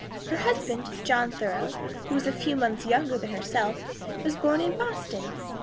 Her husband, John Thoreau, who was a few months younger than herself, was born in Boston.